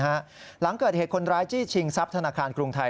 หลังเกิดเหตุคนร้ายจี้ชิงทรัพย์ธนาคารกรุงไทย